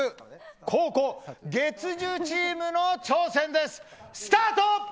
後攻月１０チームの挑戦です。